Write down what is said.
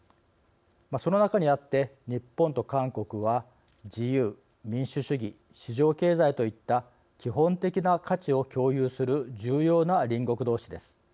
その中にあって日本と韓国は、自由、民主主義市場経済といった基本的な価値を共有する重要な隣国同士です。